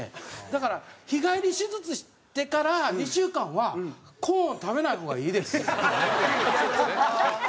だから日帰り手術してから２週間はコーン食べない方がいいです。